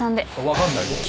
分かんないもう。